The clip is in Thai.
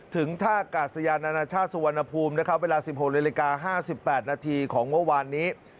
ถึงท่ากาศยานานาชาติสุวรรณภูมินะครับเวลา๑๖นาฬิกา๕๘นาทีของเมื่อวานนี้